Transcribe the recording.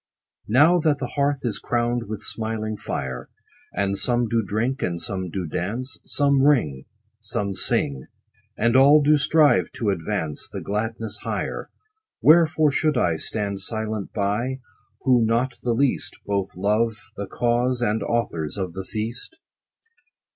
Now that the hearth is crown'd with smiling fire, And some do drink, and some do dance, Some ring, Some sing, And all do strive to advance The gladness higher ; Wherefore should I Stand silent by, Who not the least, Both love the cause, and authors of the feast